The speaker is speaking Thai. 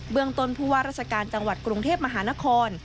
เมืองต้นผู้ว่าราชการจังหวัดกรุงเทพมหานคร